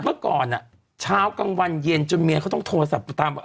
เมื่อก่อนเช้ากลางวันเย็นจนเมียเขาต้องโทรศัพท์ไปตามว่า